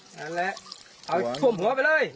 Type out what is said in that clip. นั่นแหละเอาหัวไปเลย